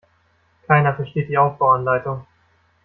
Keiner versteht die Aufbauanleitung.